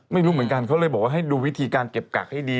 ไม่รู้เหมือนกันเขาเลยบอกว่าให้ดูวิธีการเก็บกักให้ดี